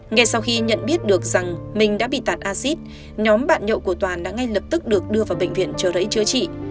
ngày sau khi nhận biết được rằng mình đã bị tạt axit nhóm bạn nhậu của toàn đã ngay lập tức được đưa vào bệnh viện chờ lấy chữa trị